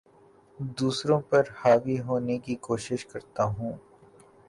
دوسروں پر حاوی ہونے کی کوشش کرتا ہوں